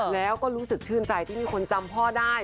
แล้วก็รู้สึกชื่นใจที่มีคนจำพ่อได้